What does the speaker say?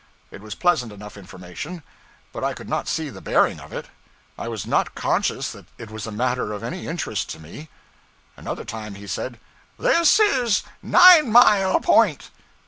It was pleasant enough information, but I could not see the bearing of it. I was not conscious that it was a matter of any interest to me. Another time he said, 'This is Nine Mile Point.'